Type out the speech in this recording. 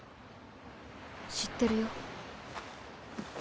知ってるよ。